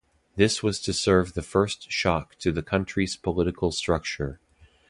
This was to serve the first shock to the country's political structure.